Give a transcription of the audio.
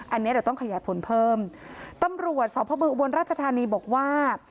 อันเนี้ยเดี๋ยวต้องขยายผลเพิ่มตำรวจสอบภพบรรณราชธานีบอกว่า